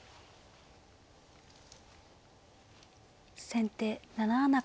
先手７七角。